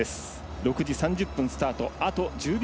６時３０分スタート。